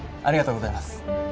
ありがとうございます。